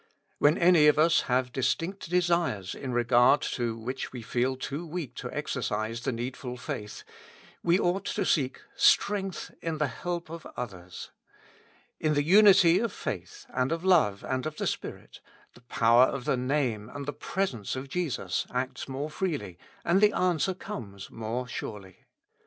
When any of us have distinct desires in regard to which we feel too weak to exer cise the needful faith, we ought to seek strength in the help of others. In the unity of faith and of love and of the Spirit, the power of the Name and the Presence of Jesus acts more freely and the answer comes more surely.